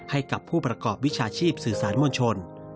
ให้กับผู้ประกอบวิชาชีพสื่อสารมวลชน